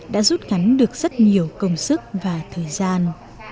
đã rút ngắn được rất nhiều công sức và thời gian